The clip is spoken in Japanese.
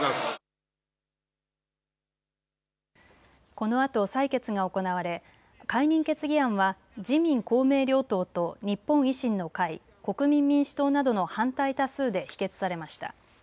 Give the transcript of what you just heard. このあと採決が行われ解任決議案は自民公明両党と日本維新の会、国民民主党などの反対多数で否決されました。